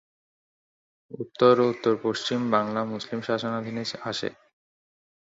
উত্তর ও উত্তর-পশ্চিম বাংলা মুসলিম শাসনাধীনে আসে।